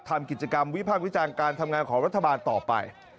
ทำกิจกรรมวิพากษ์วิจารณ์การทำงานของรัฐบาลต่อไป